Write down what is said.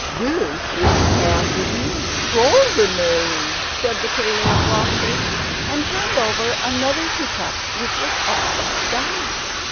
"This is passing extraordinary!" said the Tailor of Gloucester, and turned over another tea cup, which was upside down.